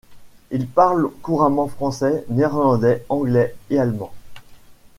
Il parle couramment français, néerlandais, anglais et allemand.